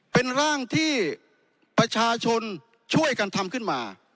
เป็นร่างที่ประชาชนช่วยกันทำขึ้นมา